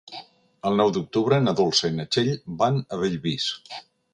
El nou d'octubre na Dolça i na Txell van a Bellvís.